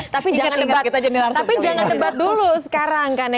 tapi jangan debat dulu sekarang kan ya